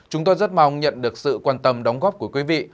chúng tôi rất mong nhận được sự quan tâm đóng góp của quý vị